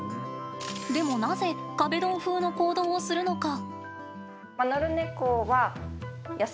でも、なぜ壁ドン風の行動をするのか。